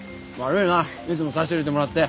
いつも差し入れてもらって。